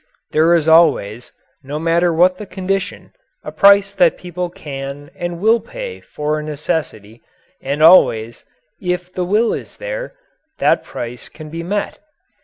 There is always, no matter what the condition, a price that people can and will pay for a necessity, and always, if the will is there, that price can be met.